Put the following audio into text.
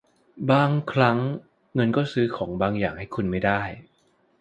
บางครั้งเงินก็ซื้อของบางอย่างให้คุณไม่ได้